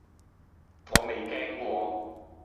我未驚過!